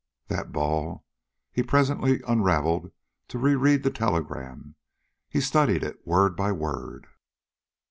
That ball he presently unraveled to reread the telegram; he studied it word by word.